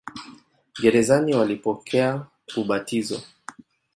Gerezani walipokea ubatizo.